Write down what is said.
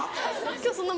今日そんな。